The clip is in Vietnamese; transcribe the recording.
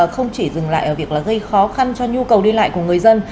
không chỉ dừng lại ở việc là gây khó khăn cho nhu cầu đi lại của người dân